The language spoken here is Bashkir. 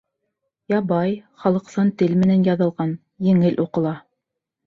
Ябай, халыҡсан тел менән яҙылған, еңел уҡыла.